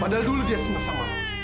padahal dulu dia senang sama